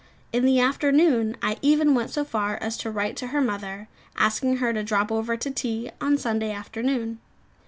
In the afternoon I even went so far as to write to her mother, asking her to drop over to tea on Sunday afternoon.